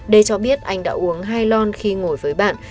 d cho biết anh đã uống hai lon khi ngồi với bạn